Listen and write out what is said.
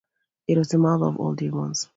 It was the mother of all demos.